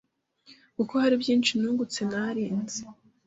kuko hari byinshi nungutse ntarinzi